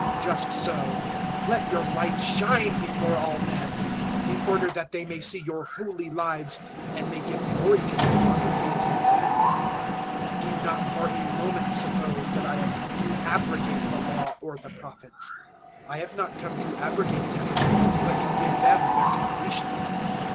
005:016 Just so let your light shine before all men, in order that they may see your holy lives and may give glory to your Father who is in Heaven. 005:017 "Do not for a moment suppose that I have come to abrogate the Law or the Prophets: I have not come to abrogate them but to give them their completion.